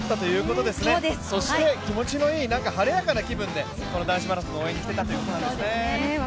気持ちのいい晴れやかな気分でこの男子マラソンに応援に来ていたということなんですね。